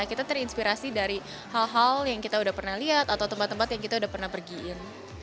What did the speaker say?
kita terinspirasi dari hal hal yang kita udah pernah lihat atau tempat tempat yang kita udah pernah pergiin